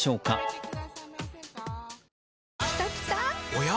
おや？